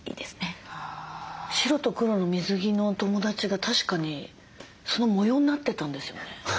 白と黒の水着の友達が確かにその模様になってたんですよね。